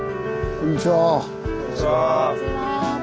・こんにちは。